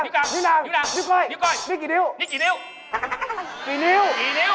ความที่เงียบ